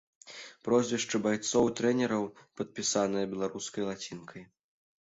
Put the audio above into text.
Прозвішчы байцоў і трэнераў падпісаныя беларускай лацінкай.